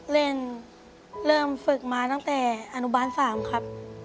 เริ่มเริ่มฝึกมาตั้งแต่อนุบาล๓ครับ